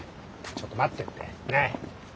ちょっと待ってって！